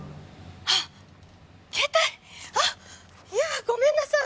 あっいやごめんなさい。